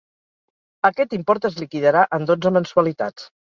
Aquest import es liquidarà en dotze mensualitats.